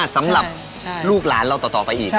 สำหรับลูกหลานเราต่อไปอีก